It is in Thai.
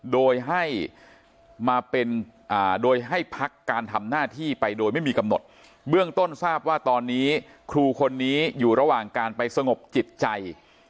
โดยให้มาเป็นโดยให้พักการทำหน้าที่ไปโดยไม่มีกำหนดเบื้องต้นทราบว่าตอนนี้ครูคนนี้อยู่ระหว่างการไปสงบจิตใจ